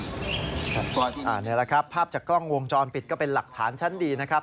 นี่แหละครับภาพจากกล้องวงจรปิดก็เป็นหลักฐานชั้นดีนะครับ